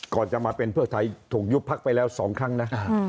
ก่อนจะมาเป็นเพื่อไทยถูกยุบพักไปแล้ว๒ครั้งนะ